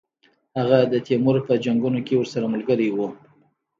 هغه د تیمور په جنګونو کې ورسره ملګری وو.